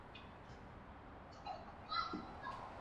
Bikain ibili da atezain txuri-urdina.